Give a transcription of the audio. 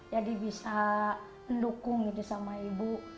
jadi bisa mendukung sama ibu